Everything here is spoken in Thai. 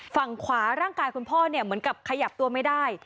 ฝั่งขวาร่างกายคุณพ่อเนี่ยเหมือนกับขยับตัวไม่ได้